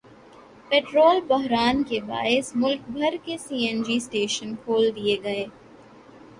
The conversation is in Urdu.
پیٹرول بحران کے باعث ملک بھر کے سی این جی اسٹیشن کھول دیئے گئے